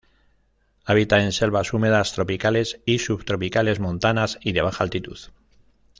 Habita en selvas húmedas tropicales y subtropicales montanas y de baja altitud.